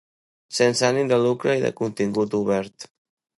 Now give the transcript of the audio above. Sense ànim de lucre i de contingut obert.